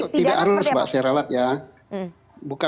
tidak harus mbak saya relak ya